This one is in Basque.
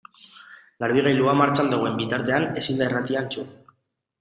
Garbigailua martxan dagoen bitartean ezin da irratia entzun.